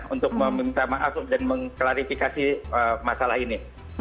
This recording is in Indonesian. untuk meminta maaf dan mengklarifikasi masalah ini